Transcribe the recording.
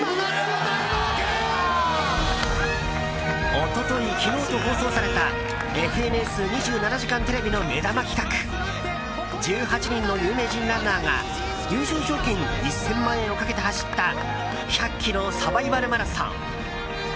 一昨日、昨日と放送された「ＦＮＳ２７時間テレビ」の目玉企画１８人の有名人ランナーが優勝賞金１０００万円をかけて走った１００ｋｍサバイバルマラソン。